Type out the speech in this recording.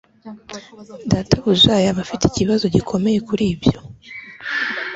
Databuja yaba afite ikibazo gikomeye kuri ibyo.